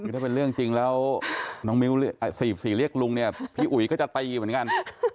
คือถ้าเป็นเรื่องจริงแล้วน้องมิ้ว๔๔เรียกลุงเนี่ยพี่อุ๋ยก็จะตีเหมือนกัน